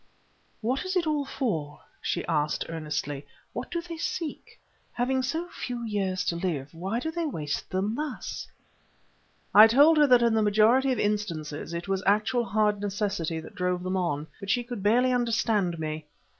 "What is it all for?" she asked earnestly. "What do they seek? Having so few years to live, why do they waste them thus?" I told her that in the majority of instances it was actual hard necessity that drove them on, but she could barely understand me.